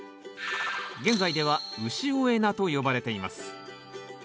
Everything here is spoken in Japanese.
現在では潮江菜と呼ばれています。